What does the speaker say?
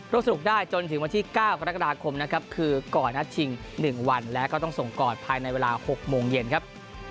รู้สึกได้จนถึงวันที่๙กรกฎาคมคือกอดนัดสิ่ง๑วันและก็ต้องส่งกอดภายในเวลา๖โมงเย็นครับ